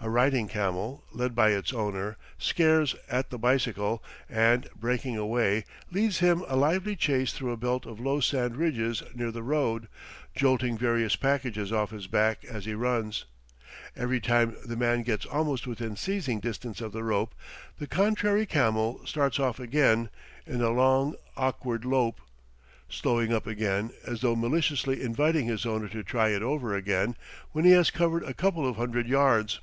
A riding camel, led by its owner, scares at the bicycle, and, breaking away, leads him a lively chase through a belt of low sand ridges near the road, jolting various packages off his back as he runs. Every time the man gets almost within seizing distance of the rope, the contrary camel starts off again in a long, awkward lope, slowing up again, as though maliciously inviting his owner to try it over again, when he has covered a couple of hundred yards.